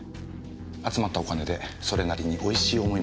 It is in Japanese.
集まったお金でそれなりにおいしい思いもしたのでは？